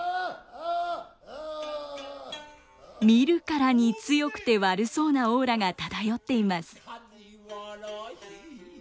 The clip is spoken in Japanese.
見るからに強くて悪そうなオーラが漂っています。